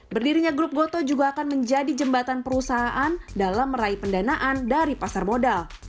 berdirinya grup gotoh juga akan menjadi jembatan perusahaan dalam meraih pendanaan dari pasar modal